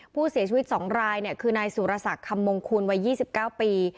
ผู้เสียชีวิต๒รายคือนายสุรศักดิ์คำมงคูณวัย๒๙ปี